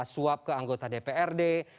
suap ke anggota dprd